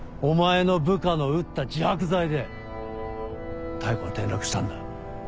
お前の部下の打った自白剤で妙子は転落したんだ。